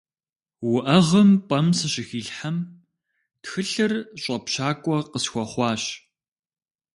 УӀэгъэм пӀэм сыщыхилъхьэм, тхылъыр щӀэпщакӀуэ къысхуэхъуащ.